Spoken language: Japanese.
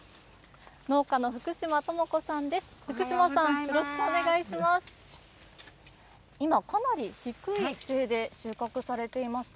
農家の福嶋智子さんです。